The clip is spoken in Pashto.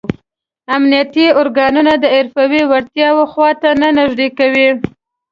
امنیتي ارګانونه د حرفوي وړتیاو خواته نه نږدې کوي.